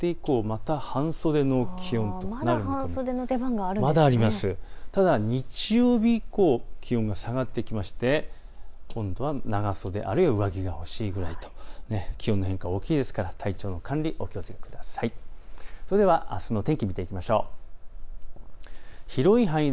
ただ日曜日以降、気温が下がってきまして今度は長袖あるいは上着が欲しいくらい、気温の変化、大きいですから体調の管理、お気をつけください。